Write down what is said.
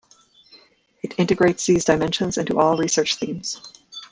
It integrates these dimensions into all research themes.